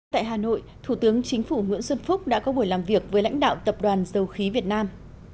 tại hà nội thủ tướng chính phủ nguyễn xuân phúc đã có buổi làm việc với lãnh đạo tập đoàn dầu khí việt nam